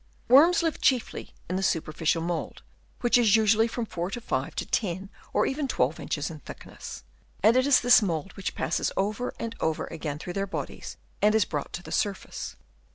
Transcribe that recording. Worms live chiefly in the superficial mould, which is usually from 4 or 5 to 10 and even 1 2 inches in thickness ; and it is this mould which passes over and over again through their bodies and is brought to the surface.